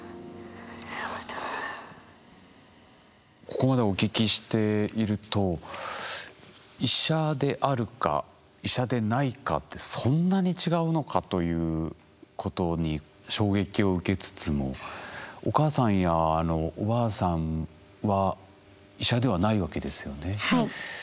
ここまでお聞きしていると医者であるか医者でないかってそんなに違うのかということに衝撃を受けつつもお母さんやおばあさんは医者ではないわけですよね？